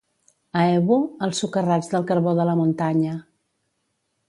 A Ebo, els socarrats del carbó de la muntanya.